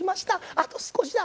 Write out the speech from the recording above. あと少しだ！